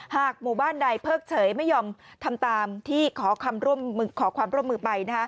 หมู่บ้านใดเพิกเฉยไม่ยอมทำตามที่ขอความร่วมมือไป